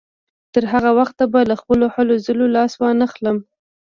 تر هغه وخته به له خپلو هلو ځلو لاس وانهخلم.